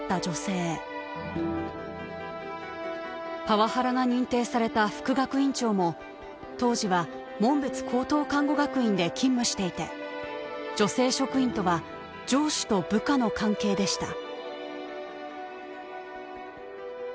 パワハラが認定された副学院長も当時は紋別高等看護学院で勤務していて女性職員とは上司と部下の関係でした。